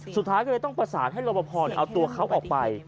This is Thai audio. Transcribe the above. สุดท้ายก็เลยต้องประสานให้รบพรเอาตัวเขาออกไป